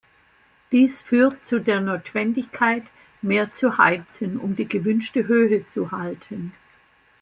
Dies führt zu der Notwendigkeit, mehr zu heizen, um die gewünschte Höhe zu halten.